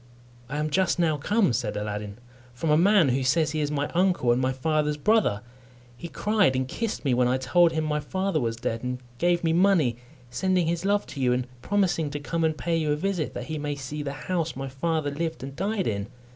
"I am just now come," said Aladdin, "from a man who says he is my uncle and my father's brother. He cried and kissed me when I told him my father was dead, and gave me money, sending his love to you, and promising to come and pay you a visit, that he may see the house my father lived and died in."